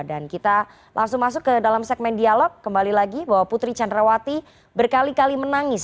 dan kita langsung masuk ke dalam segmen dialog kembali lagi bahwa putri chandrawati berkali kali menangis